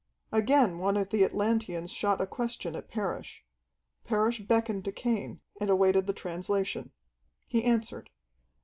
Again one of the Atlanteans shot a question at Parrish. Parrish beckoned to Cain, and awaited the translation. He answered.